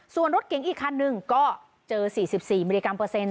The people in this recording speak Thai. ส่วนรถเก๋งอีกคันนึงก็เจอ๔๔มิลลิกรัมเปอร์เซ็นต